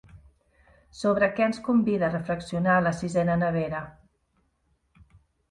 Sobre què ens convida a reflexionar la sisena nevera?